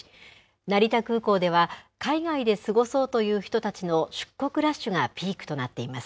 成田空港では、海外で過ごそうという人たちの出国ラッシュがピークとなっています。